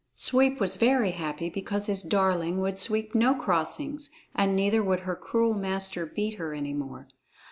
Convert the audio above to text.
_] Sweep was very happy because his darling would sweep no crossings, and neither would her cruel master beat her any more.